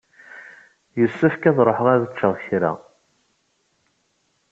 Yessefk ad ṛuḥeɣ ad d-ččeɣ kra.